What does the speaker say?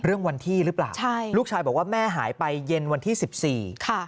เรื่องวันที่หรือเปล่าลูกชายบอกว่าแม่หายไปเย็นวันที่๑๔ค่ะ